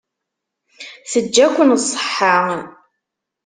Teǧǧa-ken ṣṣeḥḥa.